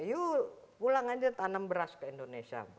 yuk pulang aja tanam beras ke indonesia